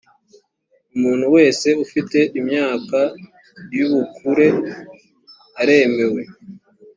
umuntu wese ufite imyaka y’ubukure aremewe